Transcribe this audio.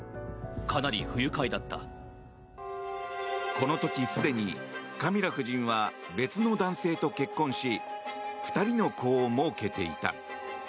この時すでにカミラ夫人は別の男性と結婚し２人の子をもうけていた。